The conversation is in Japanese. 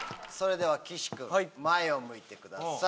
岸君前を向いてください。